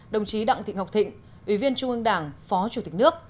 đồng chí đặng thị ngọc thịnh ủy viên trung ương đảng phó chủ tịch nước